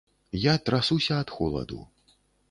Я трасуся ад холаду.